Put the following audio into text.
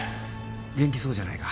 元気そうじゃないか。